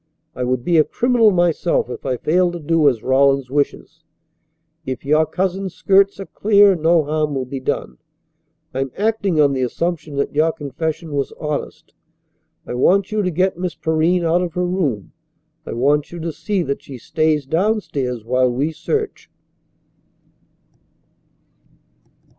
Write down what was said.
I would be a criminal myself if I failed to do as Rawlins wishes. If your cousin's skirts are clear no harm will be done. I'm acting on the assumption that your confession was honest. I want you to get Miss Perrine out of her room. I want you to see that she stays downstairs while we search."